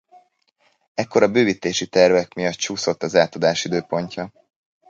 Ekkor a bővítési tervek miatt csúszott az átadás időpontja.